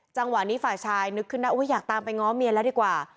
จังหวะนี้ฝ่ายชายนึกขึ้นได้อยากตามไปง้อเมียแล้วดีกว่า